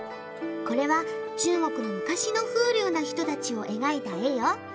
これは中国の昔の風流な人たちを描いた絵よ。